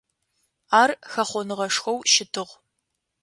Ар хэхъоныгъэшхоу щытыгъ.